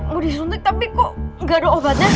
mau disuntik tapi kok nggak ada obatnya